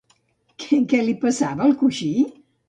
Què li passava al coixí?